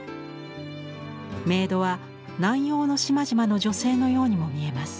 メイドは南洋の島々の女性のようにも見えます。